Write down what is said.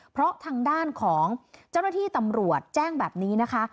เพราะทางด้านของเจ้าหน้าที่ตำรวจแจ้งแบบนี้นะคะ